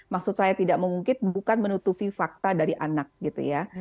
maksud saya tidak mengungkit bukan menutupi fakta dari anak gitu ya